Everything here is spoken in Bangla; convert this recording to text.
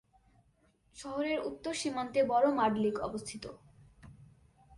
শহরের উত্তর সীমান্তে বড় মাড লেক অবস্থিত।